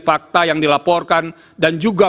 fakta yang dilaporkan dan juga